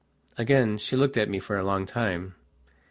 Again she looked at me for a long time.